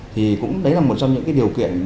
thì cũng đấy là một trong những điều kiện